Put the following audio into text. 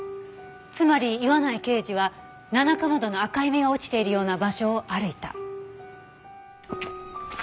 つまり岩内刑事はナナカマドの赤い実が落ちているような場所を歩いた。